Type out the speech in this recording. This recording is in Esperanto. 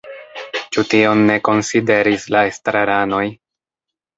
Ĉu tion ne konsideris la estraranoj?